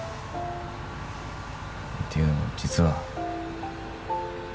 ていうのも実は